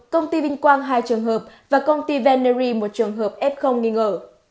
công ty vinh quang hai trường hợp và công ty venury một trường hợp f nghi ngờ